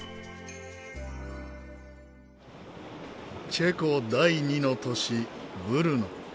チェコ第二の都市ブルノ。